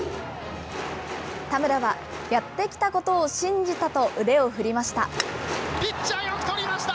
田村は、やってきたことを信じたと腕を振りました。